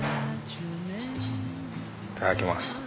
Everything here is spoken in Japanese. いただきます。